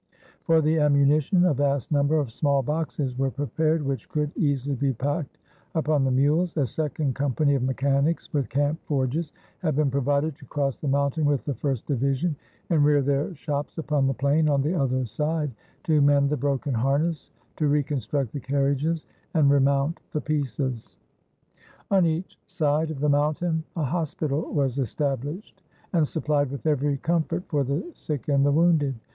For the ammunition a vast number of small boxes were prepared, which could easily be packed upon the mules. A second company of mechanics, with camp forges, had been provided, to cross the mountain with the first division, and rear their shops upon the plain on the other side, to mend the broken harness, to reconstruct the carriages, and remount the pieces. ii8 WHEN NAPOLEON CROSSED THE ALPS On each side of the mountain a hospital was estab lished, and supplied with every comfort for the sick and the woimded.